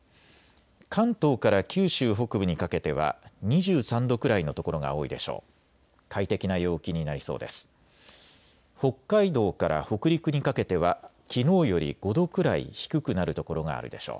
関東から九州北部にかけては２３度くらいの所が多いでしょう。